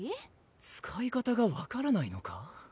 使い方が分からないのか？